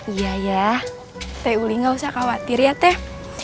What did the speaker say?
iya ya teh uli nggak usah khawatir ya teh